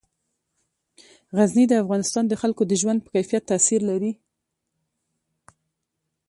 غزني د افغانستان د خلکو د ژوند په کیفیت تاثیر لري.